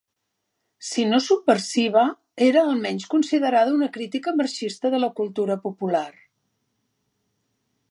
Si no subversiva, era almenys considerada una crítica marxista de la cultura popular.